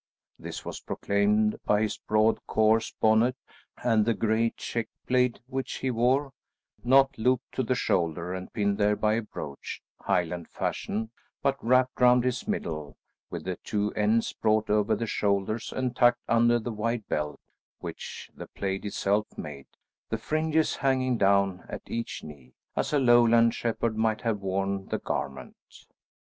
This was proclaimed by his broad, coarse, bonnet and the grey check plaid which he wore, not looped to the shoulder and pinned there by a brooch, Highland fashion, but wrapped round his middle, with the two ends brought over the shoulders and tucked under the wide belt which the plaid itself made, the fringes hanging down at each knee, as a Lowland shepherd might have worn the garment.